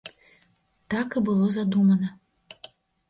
Так і было задумана.